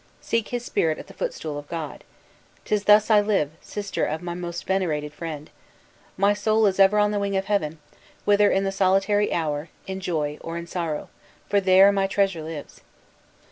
Seek his spirit at the footstool of God. 'Tis thus I live, sister of my most venerated friend! My soul is ever on the wing of heaven, whether in the solitary hour, in joy, or in sorrow, for theeere my treasure lives!"